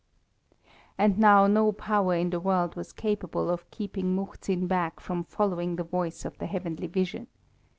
And now no power in the world was capable of keeping Muhzin back from following the voice of the heavenly vision.